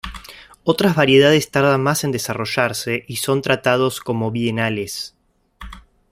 Otras variedades tardan más en desarrollarse y son tratados como bienales.